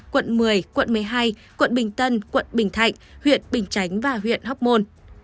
quận một mươi quận một mươi hai quận bình tân quận bình thạnh huyện bình chánh và huyện hóc môn